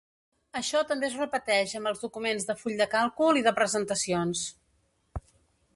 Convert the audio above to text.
Això també es repeteix amb els documents de full de càlcul i de presentacions.